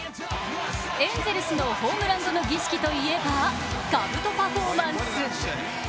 エンゼルスのホームラン後の儀式といえばかぶとパフォーマンス。